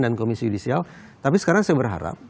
dan komisi judisial tapi sekarang saya berharap